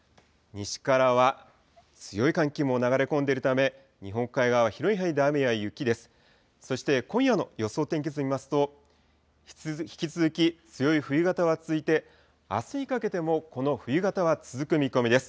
西からは強い寒気も流れ込んでいるため、日本海側、広い範囲で雨や雪です。